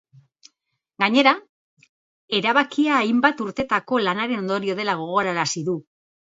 Gainera, erabakia hainbat urtetako lanaren ondorio dela gogorarazi du.